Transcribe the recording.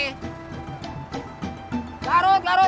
gak harus gak harus